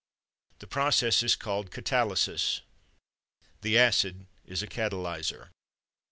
The process is called catalysis. The acid is a catalyzer.